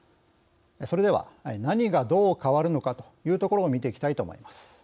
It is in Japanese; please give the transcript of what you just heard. それでは何が、どう変わるのかというところを見ていきたいと思います。